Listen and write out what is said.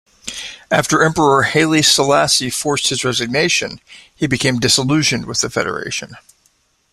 After Emperor Haile Selassie forced his resignation he became disillusioned with the Federation.